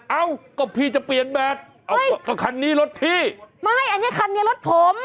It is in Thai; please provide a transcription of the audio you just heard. เอ้าก็พี่จะเปลี่ยนแบตเอาก็คันนี้รถพี่ไม่อันนี้คันนี้รถผม